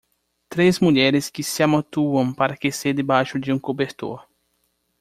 Três mulheres que se amontoam para aquecer debaixo de um cobertor.